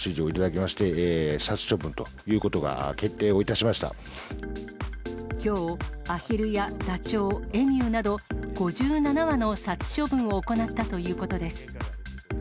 きょう、アヒルやダチョウ、エミューなど、５７羽の殺処分を行ったということです。